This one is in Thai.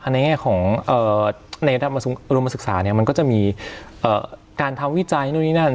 ในแง่ของในอุดมศึกษามันก็จะมีการทำวิจัยนู่นนี่นั่น